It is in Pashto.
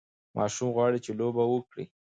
ماشوم غواړي چې لوبه وکړي.